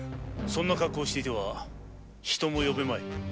そんな格好をしていては人も呼べまい。